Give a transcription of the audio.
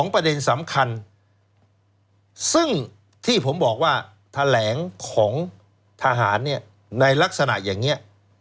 ประเด็นสำคัญซึ่งที่ผมบอกว่าแถลงของทหารในลักษณะอย่างนี้